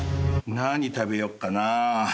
何食べよっかな。